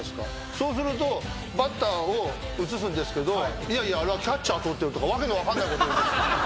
そうするとバッターを映すんですけどあれはキャッチャー撮ってるとか訳の分かんないことを。